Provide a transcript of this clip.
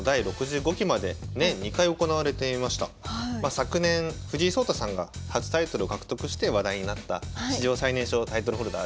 昨年藤井聡太さんが初タイトルを獲得して話題になった史上最年少タイトルホルダーですね。